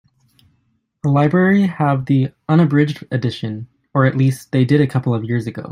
The library have the unabridged edition, or at least they did a couple of years ago.